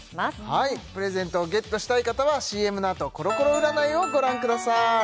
はいプレゼントをゲットしたい方はＣＭのあとコロコロ占いをご覧ください